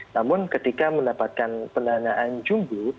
namun ketika mendapatkan pendanaan jumbo